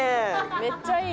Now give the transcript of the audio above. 「めっちゃいい！」